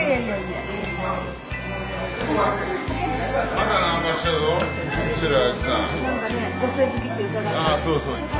ああそうそう。